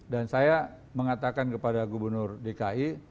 dan saya mengatakan kepada gubernur dki